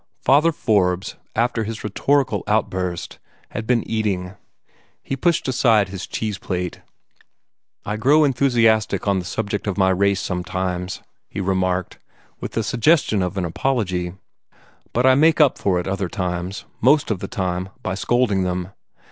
Father Forbes, after his rhetorical outburst, and been eating. He pushed aside his cheese plate. "I grow enthusiastic on the subject of my race sometimes," he remarked, with the suggestion of an apology. "But I make up for it other times most of the time by scolding them.